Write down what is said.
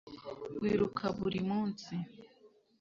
wiruka buri munsi